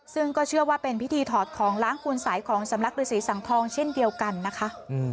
ซึ่งก็เชื่อว่าเป็นพิธีถอดของล้างคุณสัยของสำนักฤษีสังทองเช่นเดียวกันนะคะ